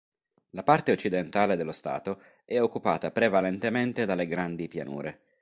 La parte occidentale dello Stato è occupata prevalentemente dalle Grandi Pianure.